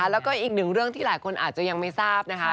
แล้วก็อีกหนึ่งเรื่องที่หลายคนอาจจะยังไม่ทราบนะคะ